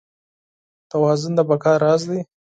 توازن د بقا راز دی.